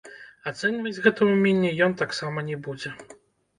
Ацэньваць гэтае ўменне ён таксама не будзе.